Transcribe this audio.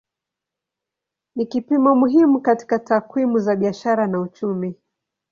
Ni kipimo muhimu katika takwimu za biashara na uchumi.